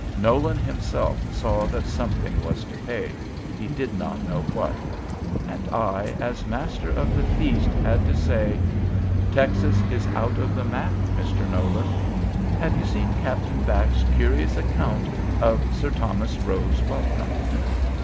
Nolan himself saw that something was to pay, he did not know what. And I, as master of the feast, had to say, "Texas is out of the map, Mr. Nolan. Have you seen Captain Back's curious account of Sir Thomas Roe's Welcome?"